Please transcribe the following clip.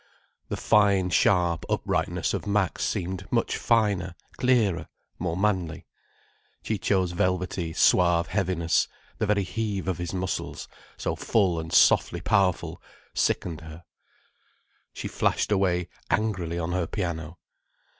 The fine sharp uprightness of Max seemed much finer, clearer, more manly. Ciccio's velvety, suave heaviness, the very heave of his muscles, so full and softly powerful, sickened her. She flashed away angrily on her piano.